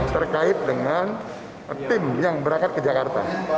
terkait dengan tim yang berangkat ke jakarta